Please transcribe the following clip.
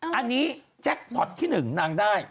อันนี้แจ็คพอร์ตที่๑นางได้